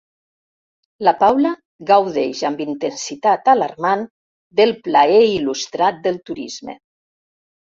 La Paula gaudeix amb intensitat alarmant del plaer il·lustrat del turisme.